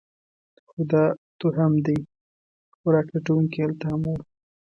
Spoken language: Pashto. خو دا توهم دی؛ خوراک لټونکي هلته هم وو.